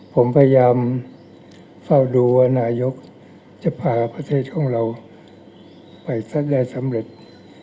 ผมพยายามเฝ้าดูว่านายกจะพาประเทศช่องเราไปซะได้สำเร็จ